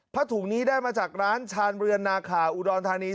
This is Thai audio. ถุงนี้ได้มาจากร้านชาญเรือนนาขาอุดรธานี